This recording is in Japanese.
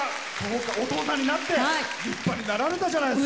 お父さんになって立派になられたじゃないですか。